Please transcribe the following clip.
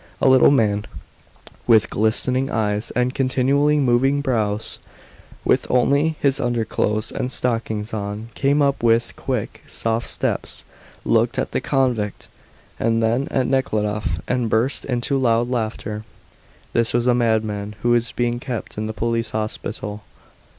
A little man, with glistening eyes and continually moving brows, with only his underclothes and stockings on, came up with quick, soft steps, looked at the convict and then at Nekhludoff, and burst into loud laughter. This was a madman who was being kept in the police hospital.